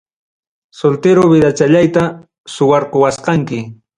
Soltero vidachallayta suwarquwasqanki.